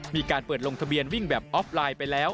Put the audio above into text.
มีการเปิดลงทะเบียนวิ่งแบบออฟไลน์ไปแล้ว